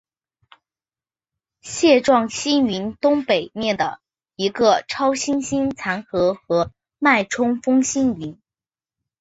蟹状星云东北面的一个超新星残骸和脉冲风星云。